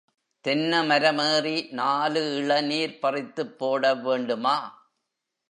தென்ன மரமேறி நாலு இளநீர் பறித்துப்போட வேண்டுமா?